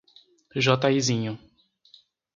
Jataizinho